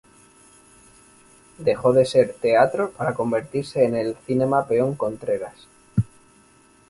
Dejó de ser "Teatro", para convertirse en el "Cinema Peón Contreras".